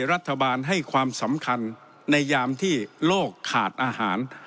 รัฐบาลให้ความสำคัญในยามที่โลกขาดอาหาร